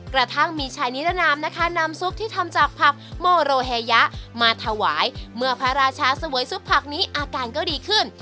กระทั่งมีชายนิรนามนะคะนำซุปที่ทำจากผักโมโรเฮยะมาถวายเมื่อพระราชาเสวยซุปผักนี้อาการก็ดีขึ้น